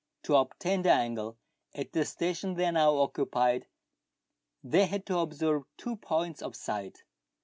To obtain the angle at the station they now occupied, they had to observe two points of sight.